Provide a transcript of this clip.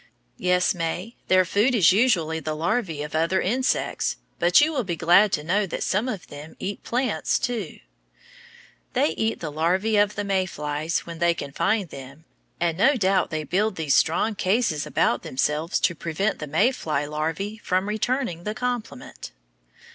Yes, May, their food is usually the larvæ of other insects, but you will be glad to know that some of them eat plants too. They eat the larvæ of the May flies when they can find them and no doubt they build these strong cases about themselves to prevent the May fly larvæ from returning the compliment.